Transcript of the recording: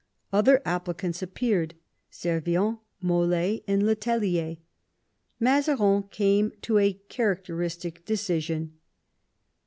Other applicants appeared — Servien, Mol^, and le Tellier. Mazarin came to a characteristic decision.